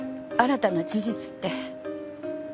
新たな事実って。